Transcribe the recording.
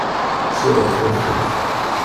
Ssiɣet tafat!